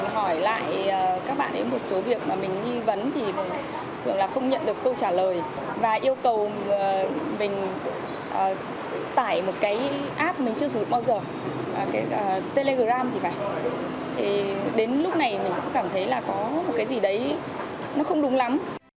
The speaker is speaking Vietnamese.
đến lúc này mình cũng cảm thấy là có cái gì đấy nó không đúng lắm